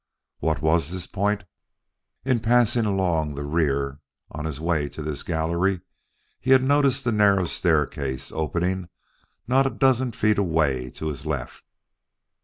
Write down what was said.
What was this point? In passing along the rear on his way to this gallery, he had noticed the narrow staircase opening not a dozen feet away to his left.